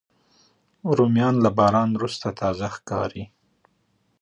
رومیان له باران وروسته تازه ښکاري